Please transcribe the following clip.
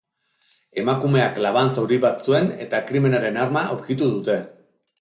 Emakumeak laban zauri bat zuen eta krimenaren arma aurkitu dute.